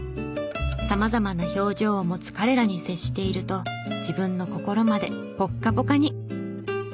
様々な表情を持つ彼らに接していると自分の心までぽっかぽかに！